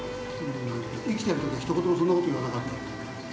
生きてるときは一言もそんなこと言わなかったのに。